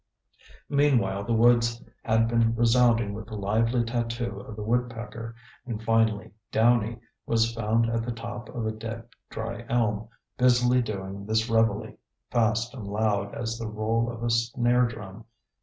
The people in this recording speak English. Meanwhile the woods had been resounding with the lively tattoo of the woodpecker, and finally Downy was found at the top of a dead dry elm, busily doing this reveille, fast and loud as the roll of a snare drum.